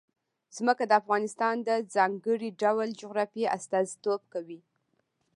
ځمکه د افغانستان د ځانګړي ډول جغرافیه استازیتوب کوي.